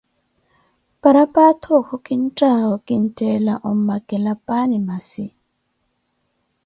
Paraphato okhu kinttaawo kinttela ommakela paani masi?